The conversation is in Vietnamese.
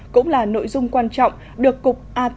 cũng là nội dung quan trọng được cục a tám mươi ba